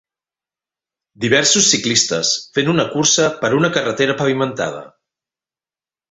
Diversos ciclistes fent una cursa per una carretera pavimentada.